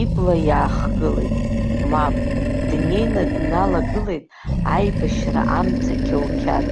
Ибла иаахгылеит, мап, днеины дналагылеит аибашьра амца қьоуқьад.